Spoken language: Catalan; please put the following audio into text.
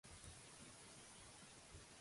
Descobrir el santíssim.